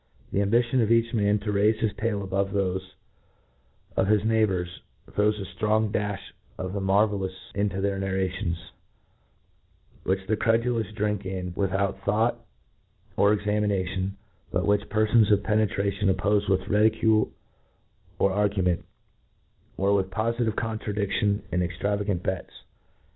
The ambition of each man to raife his talc above thofe of his neigh bours, throws a ftrong dafh of the marvellous into their narrations which the credulous drink in without thought or examination, but which perfons of penetration oppofe with ridicule or ar* gument, or with pcditive co^itradi^lion and extra* yagant bets.